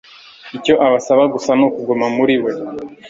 Icyo abasaba gusa ni ukuguma muri we.